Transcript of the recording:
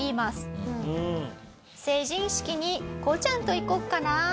成人式にこうちゃんと行こうかな。